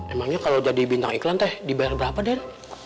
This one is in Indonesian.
emangnya kalau jadi bintang iklan teh dibayar berapa den